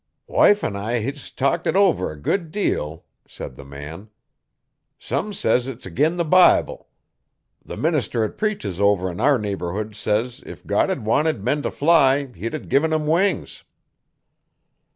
'Wife'n I hes talked it over a good deal,' said the man. 'Some says it's ag'in the Bible. The minister 'at preaches over 'n our neighbourhood says if God hed wanted men t' fly he'd g'in 'em wings.'